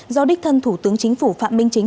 do đích thân thủ tướng chính phủ phạm minh chính